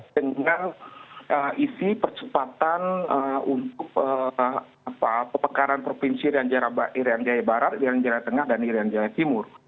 dengan isi percepatan untuk pemekaran provinsi rianjaya barat rianjaya tengah dan rianjaya timur